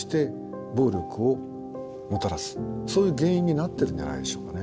そういう原因になってるんじゃないでしょうかね。